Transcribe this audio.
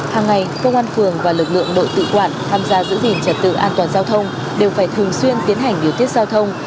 hàng ngày công an phường và lực lượng đội tự quản tham gia giữ gìn trật tự an toàn giao thông đều phải thường xuyên tiến hành điều tiết giao thông